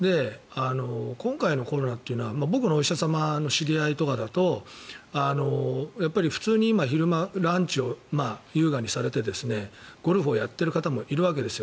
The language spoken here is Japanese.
今回のコロナというのは僕のお医者様の知り合いとかだと普通に今昼間、ランチを優雅にされてゴルフをやっている方もいるわけですよ。